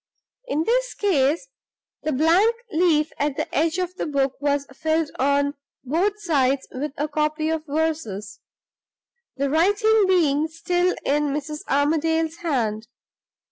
In this case, the blank leaf at the beginning of the book was filled on both sides with a copy of verses, the writing being still in Mrs. Armadale's hand.